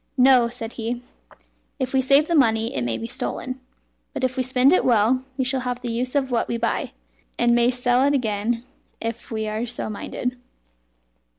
"No," said he, "if we save the money it may be stolen, but if we spend it well, we shall have the use of what we buy, and may sell it again if we are so minded."